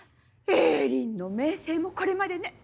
栄林の名声もこれまでね。